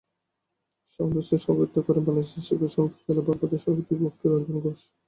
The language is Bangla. সমাবেশে সভাপতিত্ব করেন বাংলাদেশ শিক্ষক সমিতির জেলা ভারপ্রাপ্ত সভাপতি ভক্তি রঞ্জন ঘোষ।